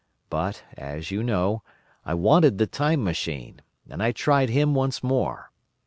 But, as you know, I wanted the Time Machine, and I tried him once more.